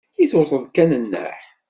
I tewteḍ kan nneḥ?